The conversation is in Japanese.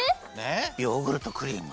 ヨーグルトクリーム。